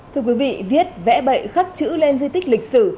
thưa quý vị viết vẽ bậy khắc chữ lên di tích lịch sử